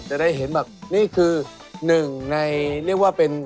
จะได้เห็นแบบนี่คือหนึ่งในเรียกว่าเป็น